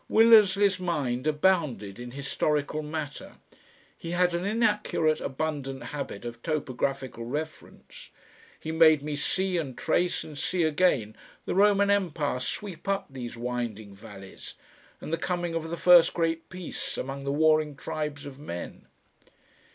Willersley's mind abounded in historical matter; he had an inaccurate abundant habit of topographical reference; he made me see and trace and see again the Roman Empire sweep up these winding valleys, and the coming of the first great Peace among the warring tribes of men....